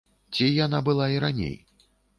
Ці яна была і раней?